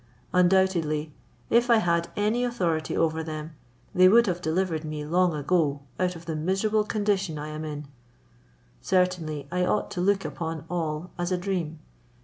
Undoubtedly if I had any authority over them, they would have delivered me long ago out of the miserable condition I am in; certainly I ought to look upon all as a dream.